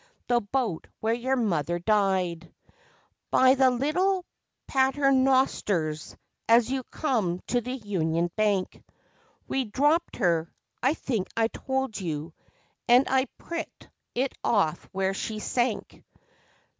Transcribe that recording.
the boat where your mother died, By the Little Paternosters, as you come to the Union Bank, We dropped her I think I told you and I pricked it off where she sank.